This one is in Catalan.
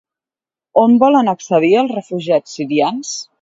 On volen accedir els refugiats sirians?